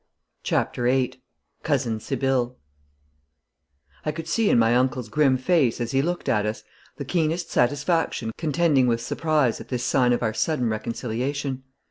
CHAPTER VIII COUSIN SIBYLLE I could see in my uncle's grim face as he looked at us the keenest satisfaction contending with surprise at this sign of our sudden reconciliation.